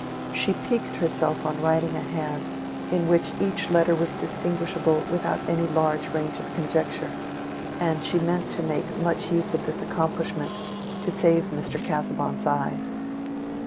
She piqued herself on writing a hand in which each letter was distinguishable without any large range of conjecture, and she meant to make much use of this accomplishment, to save Mr. Casaubon's eyes.